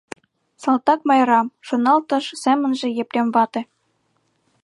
«Салтак Майра», — шоналтыш семынже Епрем вате.